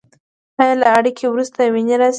ایا له اړیکې وروسته وینه راځي؟